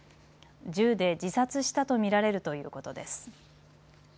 銃で自殺したと見られるということです。